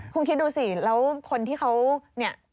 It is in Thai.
คุณคิดดูสิแล้วคนที่เขาเนี่ย